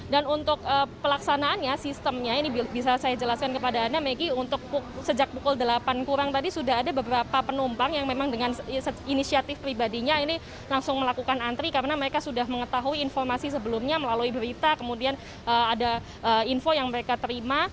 dan untuk pelaksanaannya sistemnya ini bisa saya jelaskan kepada anda megi untuk sejak pukul delapan kurang tadi sudah ada beberapa penumpang yang memang dengan inisiatif pribadinya ini langsung melakukan antri karena mereka sudah mengetahui informasi sebelumnya melalui berita kemudian ada info yang mereka terima